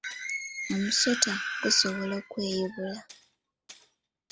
Omusota gusobola okweyubula.